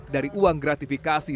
dari uang gratifikasi